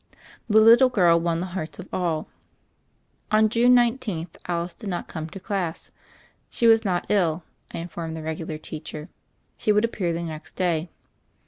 The little girl won the hearts of all. On June 19th Alice did not come to class. She was not ill, I informed the regular teacher; she would appear the next day.